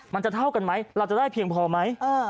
มันจะเท่ากันไหมเราจะได้เพียงพอไหม